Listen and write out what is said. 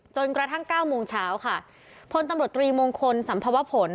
จนกระทั่งเก้าโมงเช้าค่ะพลตำรวจตรีมงคลสัมภวผล